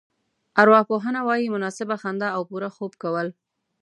ارواپوهنه وايي مناسبه خندا او پوره خوب کول.